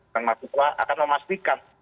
dan masyarakat akan memastikan